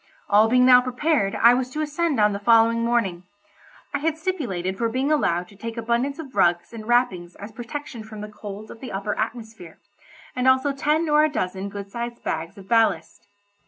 All being now prepared I was to ascend on the following morning. I had stipulated for being allowed to take abundance of rugs and wrappings as protection from the cold of the upper atmosphere, and also ten or a dozen good sized bags of ballast.